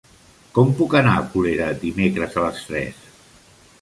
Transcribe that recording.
Com puc anar a Colera dimecres a les tres?